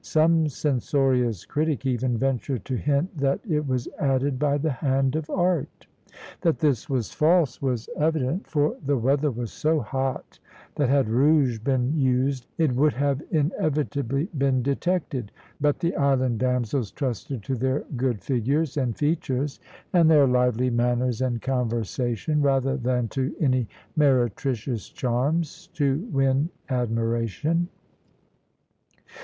Some censorious critic even ventured to hint that it was added by the hand of art. That this was false was evident, for the weather was so hot that had rouge been used it would have inevitably been detected; but the island damsels trusted to their good figures and features, and their lively manners and conversation, rather than to any meretricious charms, to win admiration.